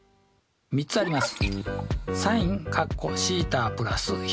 ３つあります。